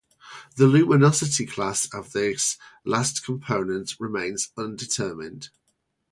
The luminosity class of this last component remains undetermined.